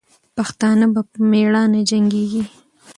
پښتانه به په میړانې جنګېږي.